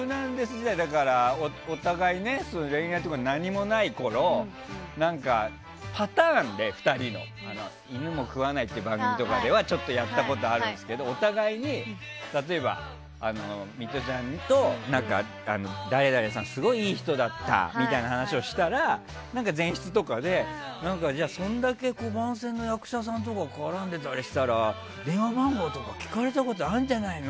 時代お互いに恋愛とかが何もないころ、２人のパターンで「犬も食わない」という番組ではちょっとやったことあるんですけどお互いに例えばミトちゃんと誰々さん、すごいいい人だったみたいな話をしたら番宣の役者さんとかと絡んでたりしたら電話番号とか聞かれたことあるんじゃないの？